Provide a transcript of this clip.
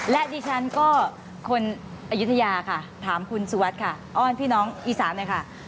และดิฉันก็คนอายุทยาค่ะถามคุณสุวัสดิ์ค่ะอ้อนพี่น้องอีสานหน่อยค่ะ